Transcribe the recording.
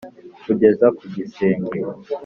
kugeza ku gisenge,